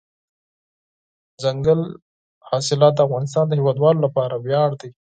دځنګل حاصلات د افغانستان د هیوادوالو لپاره ویاړ دی.